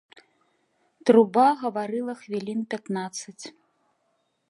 Труба гаварыла хвілін пятнаццаць.